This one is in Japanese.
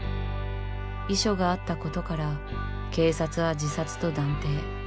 遺書があったことから警察は自殺と断定。